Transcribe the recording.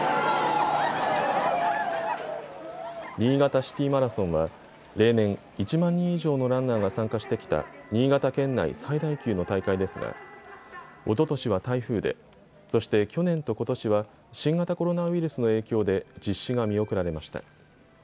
新潟シティマラソンは例年、１万人以上のランナーが参加してきた新潟県内最大級の大会ですがおととしは台風で、そして去年とことしは新型コロナウイルスの影響で実施が見送られました。